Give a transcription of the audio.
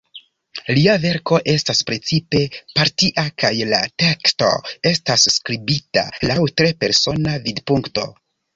Lia verko estas precipe partia, kaj la teksto estas skribita laŭ tre persona vidpunkto.